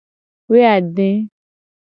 Woeade.